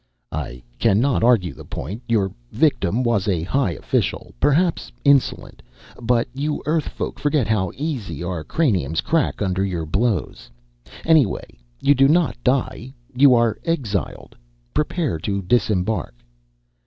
"I cannot arrgue the point. Yourr victim wass a high official perrhapss inssolent, but you Earrth folk forrget how eassy ourr crraniumss crrack underr yourr blowss. Anyway, you do not die you arre exiled. Prreparre to dissembarrk."